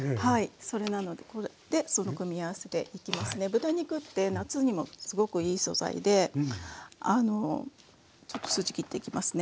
豚肉って夏にもすごくいい素材でちょっと筋切っていきますね。